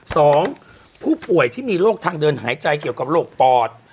สองผู้ป่วยที่มีโรคทางเดินหายใจเกี่ยวกับโรคปอด